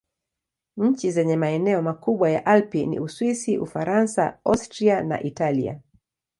Nchi zenye maeneo makubwa ya Alpi ni Uswisi, Ufaransa, Austria na Italia.